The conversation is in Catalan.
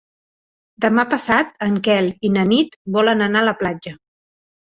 Demà passat en Quel i na Nit volen anar a la platja.